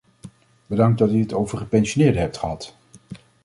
Bedankt dat u het over gepensioneerden hebt gehad.